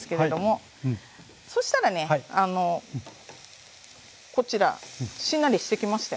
そしたらねこちらしんなりしてきましたよね。